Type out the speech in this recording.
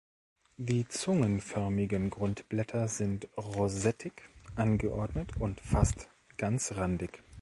Die zungenförmigen Grundblätter sind rosettig angeordnet und fast ganzrandig.